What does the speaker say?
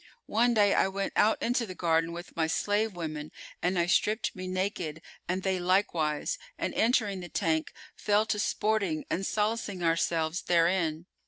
One day, I went out into the garden with my slave women and I stripped me naked and they likewise and, entering the tank, fell to sporting and solacing ourselves therein.